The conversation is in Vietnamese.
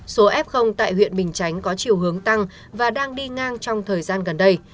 số f tại huyện bình chánh có chiều hướng tăng và đang đi ngang trong thời gian gần đây